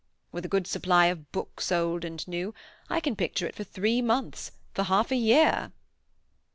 With a good supply of books, old and new, I can picture it for three months, for half a year!"